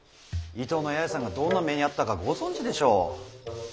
伊東の八重さんがどんな目に遭ったかご存じでしょう。